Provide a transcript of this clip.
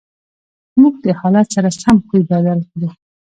موږ د حالت سره سم خوی بدل کړو.